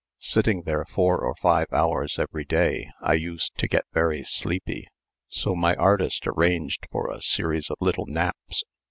Sitting there four or five hours every day I used to get very sleepy, so my artist arranged for a series of little naps.